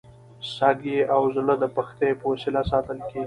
سږي او زړه د پښتیو په وسیله ساتل کېږي.